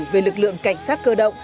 về lực lượng cảnh sát cơ động